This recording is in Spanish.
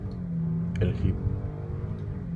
El Hib